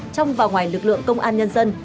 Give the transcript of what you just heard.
trong và ngoài lực lượng công an nhân dân